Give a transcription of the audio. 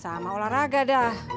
sama olahraga dah